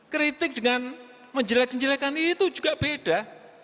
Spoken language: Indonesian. kritik dengan menjelek njelekan itu juga beda